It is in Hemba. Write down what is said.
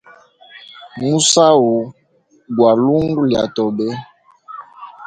Musau gwa lungu lya tobe.